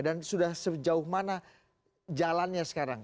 dan sudah sejauh mana jalannya sekarang